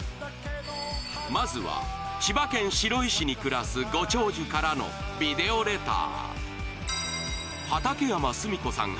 まずはに暮らすご長寿からのビデオレター